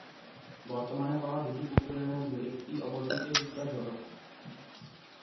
বর্তমানে পাওয়া দুটি পুকুরের মধ্যে একটি অপরটির চেয়ে কিছুটা ছোট।